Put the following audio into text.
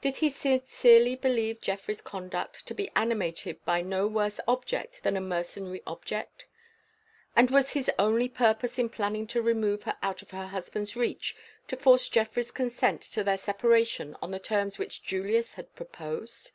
Did he sincerely believe Geoffrey's conduct to be animated by no worse object than a mercenary object? and was his only purpose in planning to remove her out of her husband's reach, to force Geoffrey's consent to their separation on the terms which Julius had proposed?